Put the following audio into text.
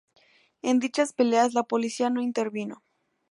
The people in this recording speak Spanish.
En dichas peleas la policía no intervino.